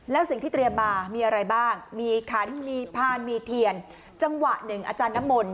แล้วสิ่งที่เตรียมมามีอะไรบ้างมีขันมีพานมีเทียนจังหวะหนึ่งอาจารย์น้ำมนต